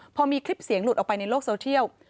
พอมีคลิปเสียงหลุดออกไปในโลกโซเทียล